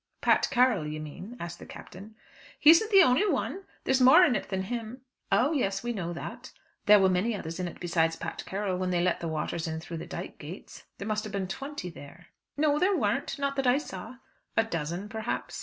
"Pat Carroll, you mean?" asked the Captain. "He isn't the only one. There's more in it than him." "Oh yes; we know that. There were many others in it besides Pat Carroll, when they let the waters in through the dyke gates. There must have been twenty there." "No, there weren't not that I saw." "A dozen, perhaps?"